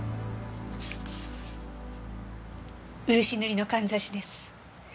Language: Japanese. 漆塗りのかんざしです。